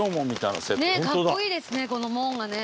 かっこいいですね